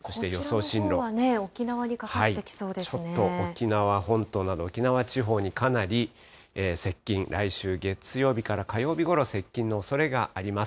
こちらのほうは沖縄にかかっちょっと沖縄本島など、沖縄地方にかなり接近、来週月曜日から火曜日ごろ、接近のおそれがあります。